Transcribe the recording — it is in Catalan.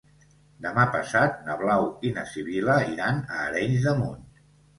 Demà passat na Blau i na Sibil·la iran a Arenys de Munt.